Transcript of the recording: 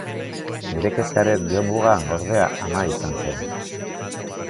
Nire kezkaren jo muga, ordea, ama izan zen.